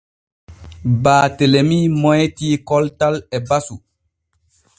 Baatelemi moytii koltal e basu.